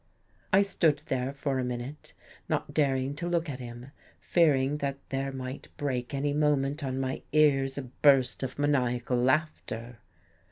I stood there for a minute, not daring to look at him, fearing that there might break any moment on my ears, a burst of maniacal laughter.